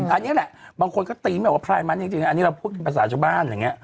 อันนี้แหละบางคนก็ตีไม่ว่าพลายมันจริงอันนี้เราพูดเป็นภาษาชาวบ้านอย่างนี้